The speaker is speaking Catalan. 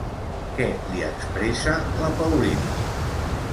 Què li expressa la Paulina?